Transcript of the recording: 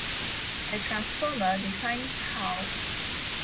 a transformer defines how